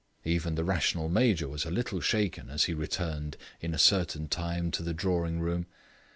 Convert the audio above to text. Even the rational Major was a little shaken as he returned in a certain time to the drawing room.